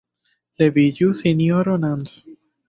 Leviĝu, Sinjoro Nans!